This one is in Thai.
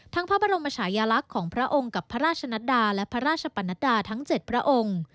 พระบรมชายลักษณ์ของพระองค์กับพระราชนัดดาและพระราชปนัดดาทั้ง๗พระองค์